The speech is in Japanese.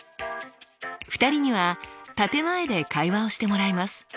２人には建て前で会話をしてもらいます。